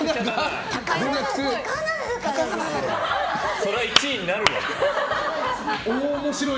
そりゃ１位になるわ。